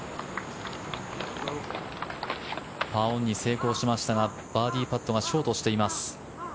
パーオンに成功しましたがバーディーパットはショートしています。